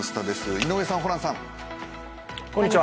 井上さん、ホランさん。